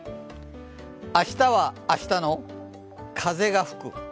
明日は明日の風が吹く。